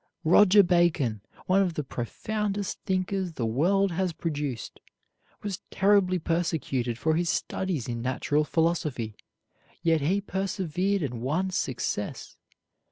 Roger Bacon, one of the profoundest thinkers the world has produced, was terribly persecuted for his studies in natural philosophy, yet he persevered and won success.